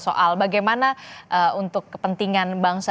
soal bagaimana untuk kepentingan bangsa